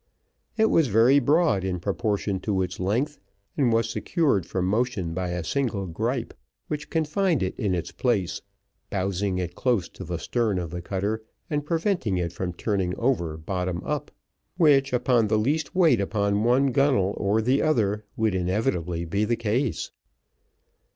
It was very broad in proportion to its length, and was secured from motion by a single gripe, which confined it in its place, bowsing it close to the stern of the cutter, and preventing it from turning over bottom up, which, upon the least weight upon one gunnel or the other, would be inevitably the case.